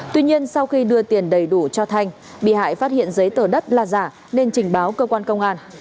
tuy nhiên sau khi đưa tiền đầy đủ cho thanh bị hại phát hiện giấy tờ đất là giả nên trình báo cơ quan công an